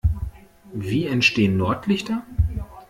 Wie entstehen Nordlichter?